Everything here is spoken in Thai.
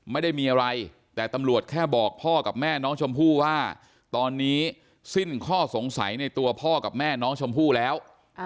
ไม่ได้มีอะไรแต่ตำรวจแค่บอกพ่อกับแม่น้องชมพู่ว่าตอนนี้สิ้นข้อสงสัยในตัวพ่อกับแม่น้องชมพู่แล้ว